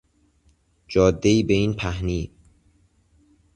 جادهای به این پهنی